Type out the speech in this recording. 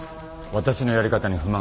私のやり方に不満が？